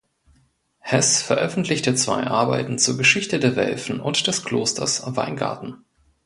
Hess veröffentlichte zwei Arbeiten zur Geschichte der Welfen und des Klosters Weingarten.